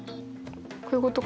こういうことかな？